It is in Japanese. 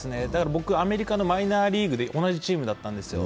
僕アメリカのマイナーリーグで同じチームだったんですよ。